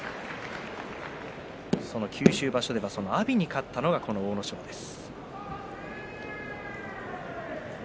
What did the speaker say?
その九州場所では阿炎に勝ったのがこの阿武咲です。